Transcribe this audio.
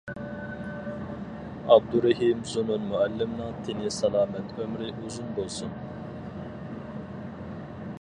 ئابدۇرېھىم زۇنۇن مۇئەللىمنىڭ تېنى سالامەت ئۆمرى ئۇزۇن بولسۇن!